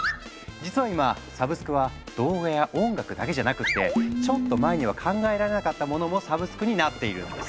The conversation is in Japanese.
実は今サブスクは動画や音楽だけじゃなくってちょっと前には考えられなかったものもサブスクになっているんです。